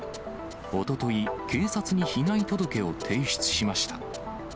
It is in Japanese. おととい、警察に被害届を提出しました。